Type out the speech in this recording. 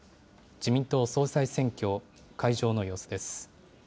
自民党総裁選挙、会場の様子です。